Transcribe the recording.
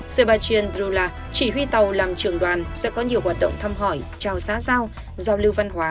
sebastian drula chỉ huy tàu làm trường đoàn sẽ có nhiều hoạt động thăm hỏi chào xã giao giao lưu văn hóa